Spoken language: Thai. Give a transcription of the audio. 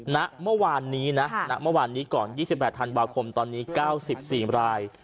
ณเมื่อวานนี้นะณเมื่อวานนี้ก่อน๒๘ธันวาคมตอนนี้๙๔ราย